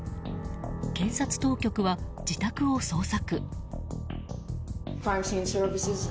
検察当局は自宅を捜索。